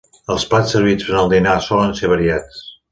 Els plats servits en el dinar solen ser variats.